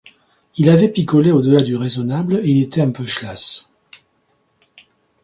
Il avait picolé au-delà du raisonnable et il était un peu schlass.